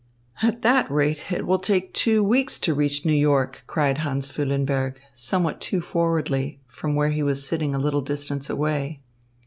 "At that rate it will take two weeks to reach New York," cried Hans Füllenberg, somewhat too forwardly, from where he was sitting a little distance away.